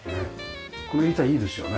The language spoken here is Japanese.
この板いいですよね。